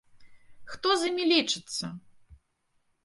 Хто з імі лічыцца!